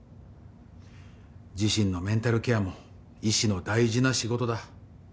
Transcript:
自身のメンタルケアも医師の大事な仕事だ。